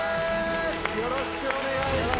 よろしくお願いします。